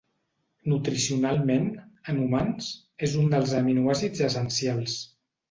Nutricionalment, en humans, és un dels aminoàcids essencials.